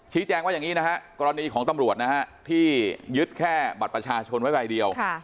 แจ้งว่าอย่างนี้นะฮะกรณีของตำรวจนะฮะที่ยึดแค่บัตรประชาชนไว้ใบเดียว